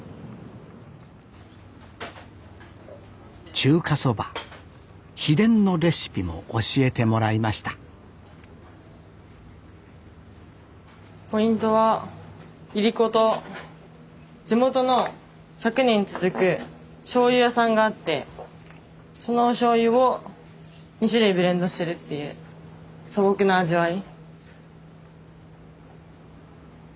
中華そば秘伝のレシピも教えてもらいましたポイントはいりこと地元の１００年続くしょうゆ屋さんがあってそのおしょうゆを２種類ブレンドしてるっていう素朴な味わい。